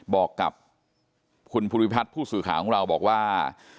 บอกกับคุณภูริพัฒน์ผู้สื่อข่าวของเราบอกว่า